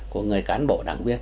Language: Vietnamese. của người cán bộ đảng viên